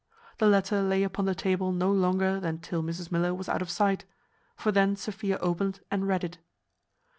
The letter lay upon the table no longer than till Mrs Miller was out of sight; for then Sophia opened and read it.